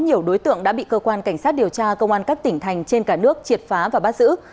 nhiều đối tượng đã bị cơ quan cảnh sát điều tra công an các tỉnh thành trên cả nước triệt phá và bắt giữ